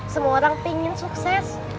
semua orang pengen sukses